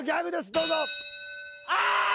どうぞああ！